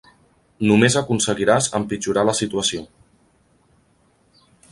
Només aconseguiràs empitjorar la situació.